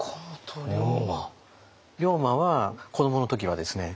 龍馬は子どもの時はですね